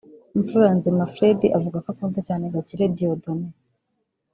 Mfuranzima Fred avuga ko akunda cyane Gakire Dieudonne